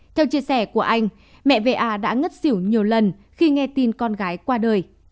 theo chia sẻ của anh mẹ va đã ngất xỉu nhiều lần khi nghe tin con gái qua đời